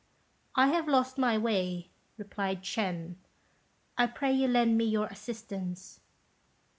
"I have lost my way," replied Ch'ên; "I pray you lend me your assistance."